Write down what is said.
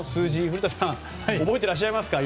古田さん覚えてらっしゃいますか？